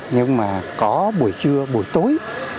nhưng mà có buổi trưa buổi tối